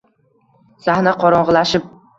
Sahna qorong‘ilashib…